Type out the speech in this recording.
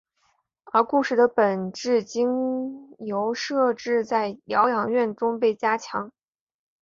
而故事的本质经由设置在疗养院中被加强。